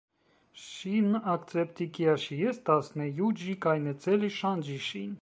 Ŝin akcepti, kia ŝi estas, ne juĝi kaj ne celi ŝanĝi ŝin.